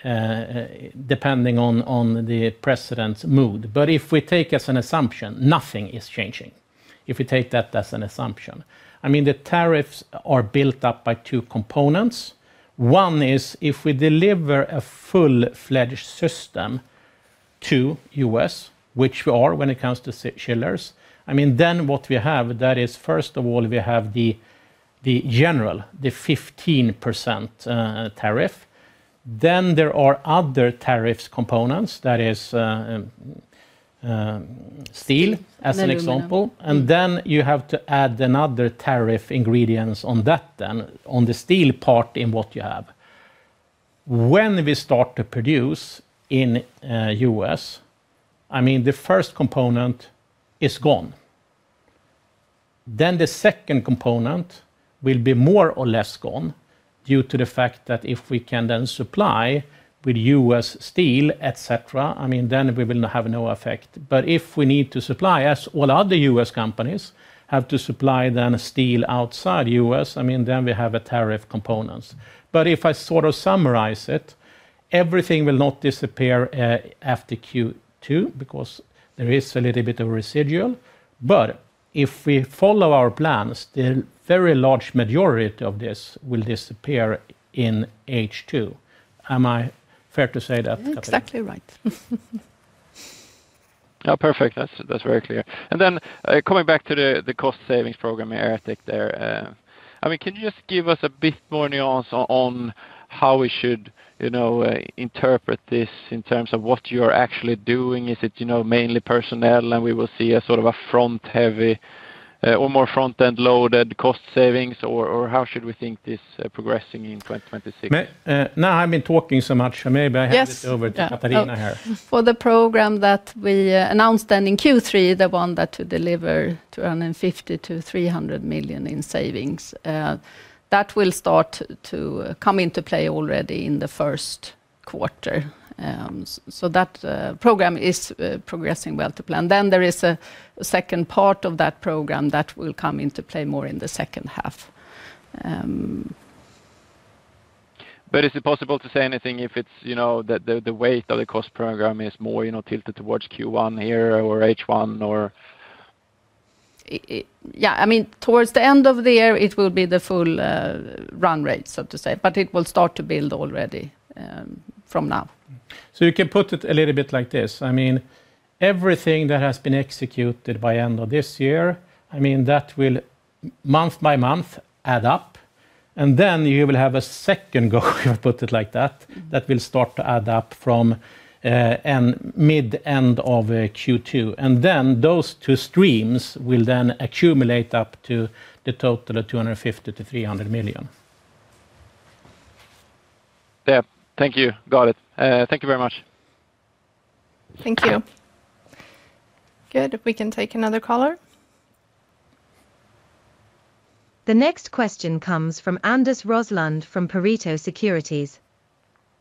B: depending on the president's mood. But if we take as an assumption, nothing is changing. If we take that as an assumption, I mean, the tariffs are built up by two components. One is if we deliver a full-fledged system to U.S., which we are when it comes to chillers, I mean, then what we have, that is, first of all, we have the general, the 15% tariff. Then there are other tariffs components, that is steel as an example. And then you have to add another tariff ingredients on that then, on the steel part in what you have. When we start to produce in U.S., I mean, the first component is gone. Then the second component will be more or less gone due to the fact that if we can then supply with U.S. steel, etc., I mean, then we will have no effect. But if we need to supply, as all other U.S. companies have to supply then steel outside U.S., I mean, then we have a tariff components. But if I sort of summarize it, everything will not disappear after Q2 because there is a little bit of residual. But if we follow our plans, the very large majority of this will disappear in H2. Am I fair to say that?
C: Exactly right.
H: Yeah, perfect. That's very clear. And then coming back to the cost savings program in AirTech there, I mean, can you just give us a bit more nuance on how we should interpret this in terms of what you're actually doing? Is it mainly personnel, and we will see a sort of a front-heavy or more front-end loaded cost savings, or how should we think this progressing in 2026?
B: Now I've been talking so much, maybe I hand it over to Katharina here.
C: For the program that we announced then in Q3, the one that to deliver 250 million-300 million in savings, that will start to come into play already in the first quarter. So that program is progressing well to plan. Then there is a second part of that program that will come into play more in the second half.
H: But is it possible to say anything if it's the weight of the cost program is more tilted towards Q1 here or H1 or?
C: Yeah, I mean, towards the end of the year, it will be the full run rate, so to say, but it will start to build already from now.
B: So you can put ita little bit like this. I mean, everything that has been executed by the end of this year, I mean, that will month by month add up. And then you will have a second goal, if I put it like that, that will start to add up from mid-end of Q2. And then those two streams will then accumulate up to the total of 250 million-300 million.
H: Yeah. Thank you, got it. Thank you very much.
A: Thank you. Good. We can take another caller.
D: The next question comes from Anders Roslund from Pareto Securities.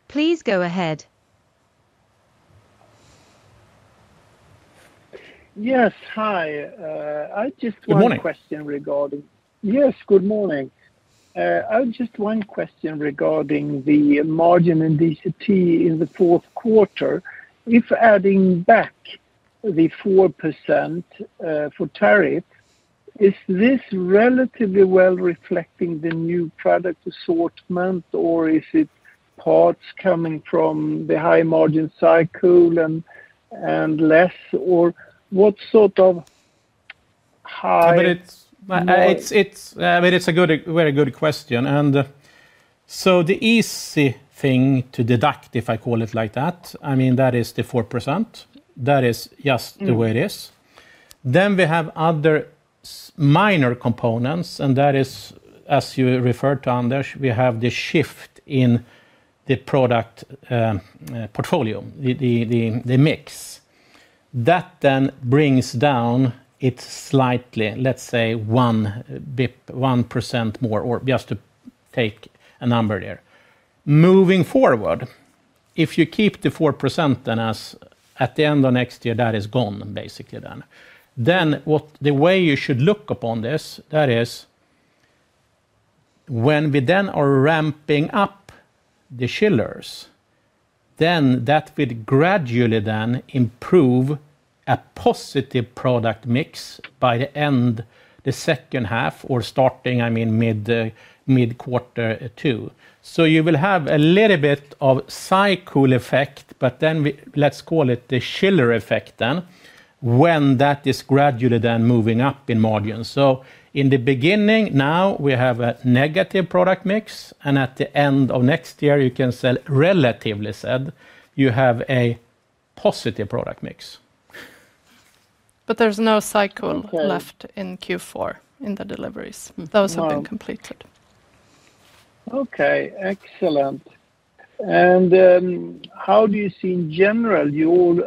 D: Please go ahead.
I: Yes, hi. I just want a question regarding.
B: Good morning.
I: Yes, good morning. I have just one question regarding the margin in DCT in the fourth quarter. If adding back the 4% for tariff, is this relatively well reflecting the new product assortment, or is it parts coming from the high margin SyCool and less, or what sort of high?
B: I mean, it's a very good question. And so the easy thing to deduct, if I call it like that, I mean, that is the 4%. That is just the way it is. Then we have other minor components, and that is, as you referred to, Anders, we have the shift in the product portfolio, the mix. That then brings down it slightly, let's say, 1% more, or just to take a number there. Moving forward, if you keep the 4% then as at the end of next year, that is gone, basically then. Then the way you should look upon this, that is, when we then are ramping up the chillers, then that would gradually then improve a positive product mix by the end, the second half, or starting, I mean, mid-quarter two. So you will have a little bit of SyCool effect, but then let's call it the chiller effect then, when that is gradually then moving up in margin. So in the beginning, now we have a negative product mix, and at the end of next year, you can say relatively said, you have a positive product mix.
C: But there's no SyCool left in Q4 in the deliveries. Those have been completed.
I: Okay. Excellent. And how do you see in general, you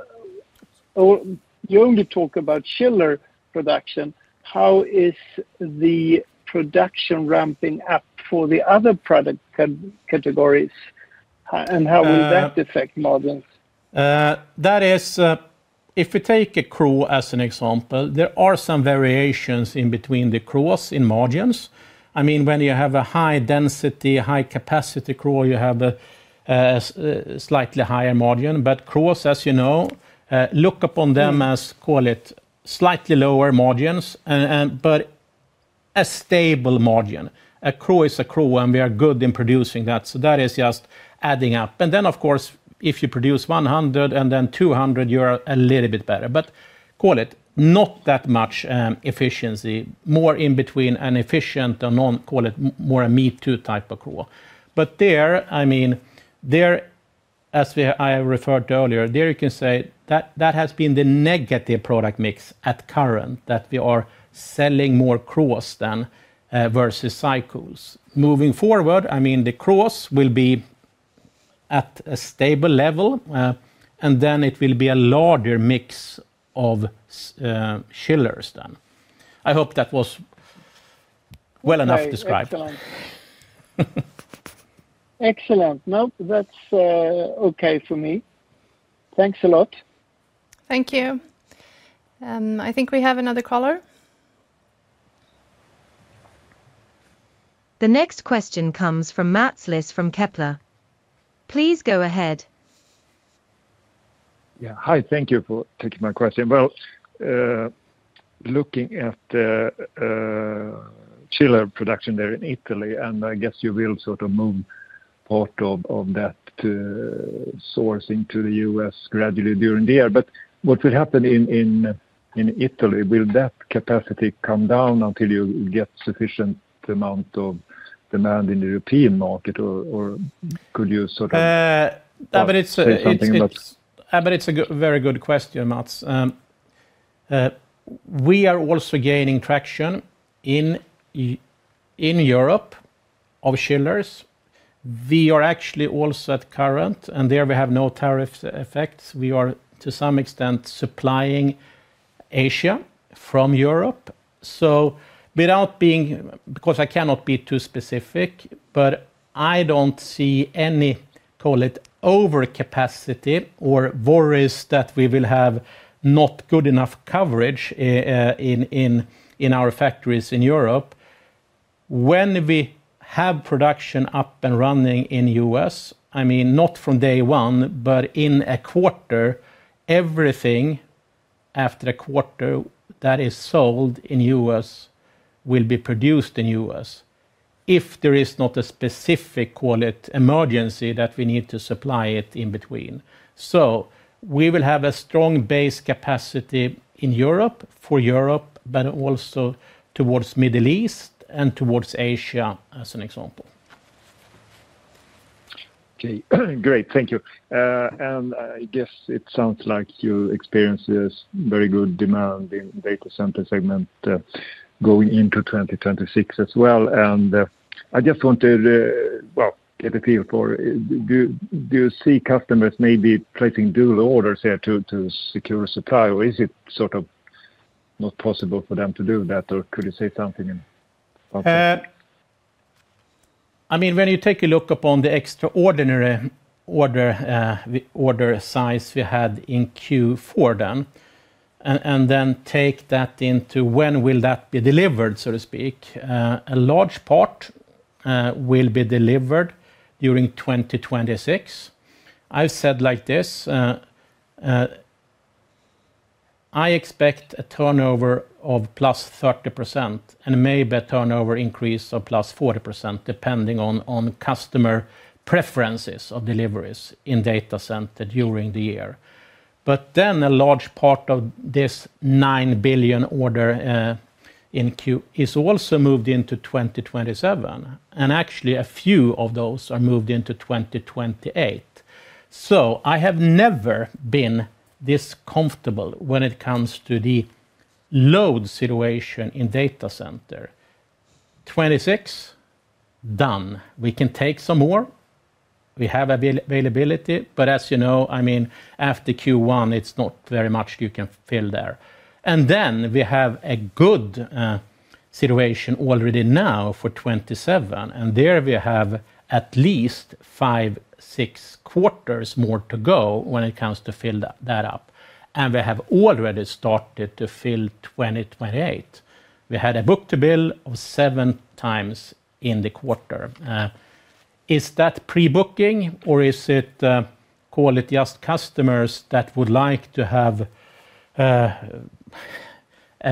I: only talk about chiller production, how is the production ramping up for the other product categories, and how will that affect margins?
B: That is, if we take a CRAH as an example, there are some variations in between the CRAHs in margins. I mean, when you have a high-density, high-capacity CRAH, you have a slightly higher margin. But CRAHs, as you know, look upon them as, call it, slightly lower margins, but a stable margin. A CRAH is a CRAH, and we are good in producing that. So that is just adding up. And then, of course, if you produce 100 and then 200, you're a little bit better. But call it not that much efficiency, more in between an efficient and, call it, more a me-too type of CRAH. But there, I mean, there, as I referred to earlier, there you can say that has been the negative product mix at current that we are selling more CRAHs than versus SyCools. Moving forward, I mean, the CRAHs will be at a stable level, and then it will be a larger mix of chillers then. I hope that was well enough described.
I: Excellent. No, that's okay for me. Thanks a lot.
A: Thank you. And I think we have another caller.
D: The next question comes from Mats Liss from Kepler Cheuvreux. Please go ahead.
J: Yeah. Hi. Thank you for taking my question. Well, looking at chiller production there in Italy, and I guess you will sort of move part of that sourcing to the U.S. gradually during the year. But what will happen in Italy? Will that capacity come down until you get sufficient amount of demand in the European market, or could you sort of?
B: I mean, it's interesting. But it's a very good question, Mats. We are also gaining traction in Europe of chillers. We are actually also at current, and there we have no tariff effects. We are, to some extent, supplying Asia from Europe. So, without being, because I cannot be too specific, but I don't see any, call it, overcapacity or worries that we will have not good enough coverage in our factories in Europe. When we have production up and running in U.S., I mean, not from day one, but in a quarter, everything after a quarter that is sold in U.S. will be produced in U.S. if there is not a specific, call it, emergency that we need to supply it in between. So we will have a strong base capacity in Europe for Europe, but also towards the Middle East and towards Asia, as an example.
J: Okay. Great. Thank you. And I guess it sounds like you experience this very good demand in data center segment going into 2026 as well. I just wanted to, well, get a feel for, do you see customers maybe placing dual orders here to secure a supply, or is it sort of not possible for them to do that, or could you say something?
B: I mean, when you take a look upon the extraordinary order size we had in Q4 then, and then take that into when will that be delivered, so to speak, a large part will be delivered during 2026. I've said like this, I expect a turnover of +30% and maybe a turnover increase of +40%, depending on customer preferences of deliveries in data center during the year. But then a large part of this 9 billion order in Q is also moved into 2027, and actually a few of those are moved into 2028. So I have never been this comfortable when it comes to the load situation in data center. 2026, done. We can take some more. We have availability, but as you know, I mean, after Q1, it's not very much you can fill there. And then we have a good situation already now for 2027, and there we have at least five, six quarters more to go when it comes to fill that up. And we have already started to fill 2028. We had a book-to-bill of 7 times in the quarter. Is that pre-booking, or is it, call it, just customers that would like to have a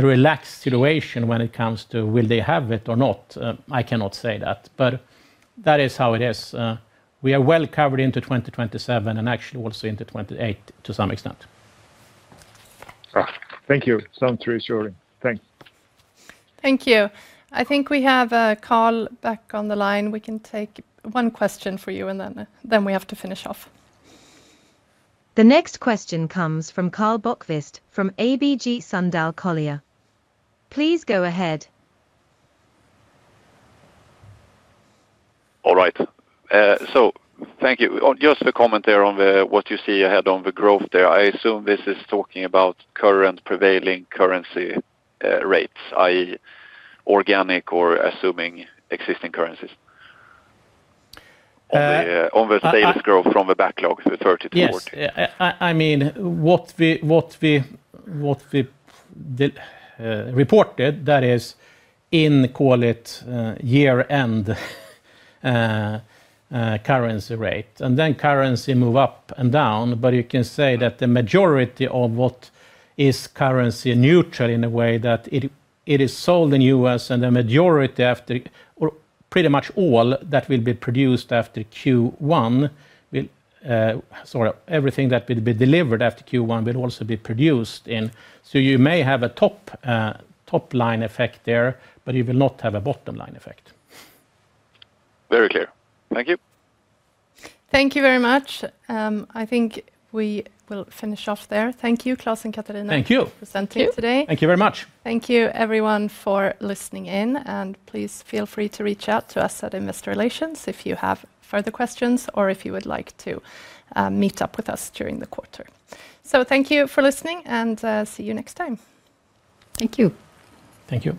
B: relaxed situation when it comes to will they have it or not? I cannot say that, but that is how it is. We are well covered into 2027 and actually also into 2028 to some extent.
J: Thank you. Sounds reassuring. Thanks.
A: Thank you. I think we have a call back on the line. We can take one question for you, and then we have to finish off.
D: The next question comes from Karl Bokvist from ABG Sundal Collier. Please go ahead.
F: All right. So thank you. Just a comment there on what you see ahead on the growth there. I assume this is talking about current prevailing currency rates, i.e., organic or assuming existing currencies. On the sales growth from the backlog for 30-40.
B: Yeah. I mean, what we reported, that is in, call it, year-end currency rate. And then currencies move up and down, but you can say that the majority of what is currency neutral in a way that it is sold in the US and the majority after, or pretty much all that will be produced after Q1, sorry, everything that will be delivered after Q1 will also be produced in. So you may have a top line effect there, but you will not have a bottom line effect.
F: Very clear. Thank you. Thank you very much.
A: I think we will finish off there. Thank you, Klas and Katharina. Thank you. Presenting today.
B: Thank you very much.
A: Thank you, everyone, for listening in, and please feel free to reach out to us at Investor Relations if you have further questions or if you would like to meet up with us during the quarter. So thank you for listening, and see you next time. Thank you.
B: Thank you.